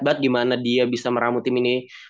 banget gimana dia bisa meramu tim ini